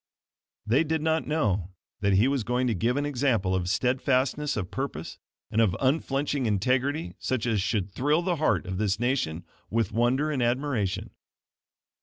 They did not know that he was going to give an example of steadfastness of purpose and of unflinching integrity, such as should thrill the heart of this nation with wonder and admiration.